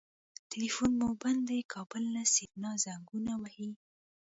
ټليفون مو بند دی کابل نه سېرېنا زنګونه وهي.